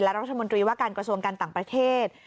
รัฐมนตรีว่าการกระทรวงการต่างประเทศ